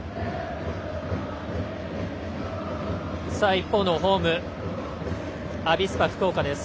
一方のホーム、アビスパ福岡です。